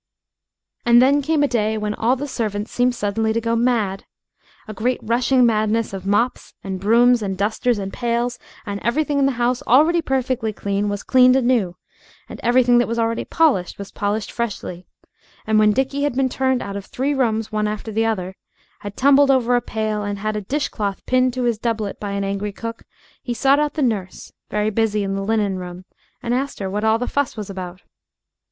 And then came a day when all the servants seemed suddenly to go mad a great rushing madness of mops and brooms and dusters and pails and everything in the house already perfectly clean was cleaned anew, and everything that was already polished was polished freshly, and when Dickie had been turned out of three rooms one after the other, had tumbled over a pail and had a dish cloth pinned to his doublet by an angry cook, he sought out the nurse, very busy in the linen room, and asked her what all the fuss was about.